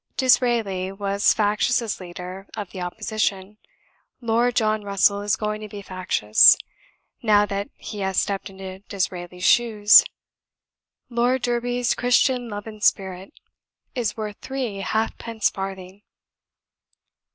D'Israeli was factious as leader of the Opposition; Lord John Russell is going to be factious, now that he has stepped into D'Israeli's shoes. Lord Derby's 'Christian love and spirit,' is worth three half pence farthing."